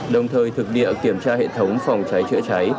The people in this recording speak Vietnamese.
đồng thời thực địa kiểm tra hệ thống phòng cháy chữa cháy